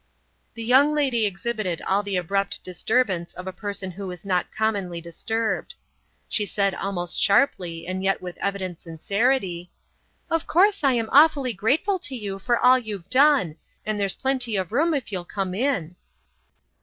The young lady exhibited all the abrupt disturbance of a person who is not commonly disturbed. She said almost sharply and yet with evident sincerity: "Of course I am awfully grateful to you for all you've done and there's plenty of room if you'll come in."